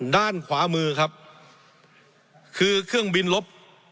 ด้านขวามือครับคือเครื่องบินลบ